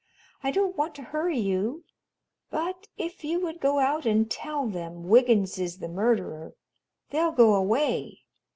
I don't want to hurry you, but if you would go out and tell them Wiggins is the murderer they'll go away.